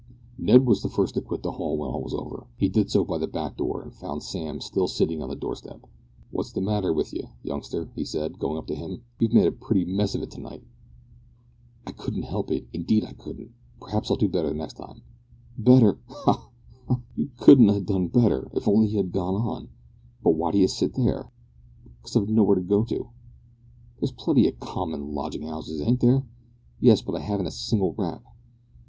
Ned was the first to quit the hall when all was over. He did so by the back door, and found Sam still sitting on the door step. "What's the matter with ye, youngster?" he said, going up to him. "You've made a pretty mess of it to night." "I couldn't help it indeed I couldn't. Perhaps I'll do better next time." "Better! ha! ha! You couldn't ha' done better if you'd on'y gone on. But why do ye sit there?" "Because I've nowhere to go to." "There's plenty o' common lodgin' 'ouses, ain't there?" "Yes, but I haven't got a single rap."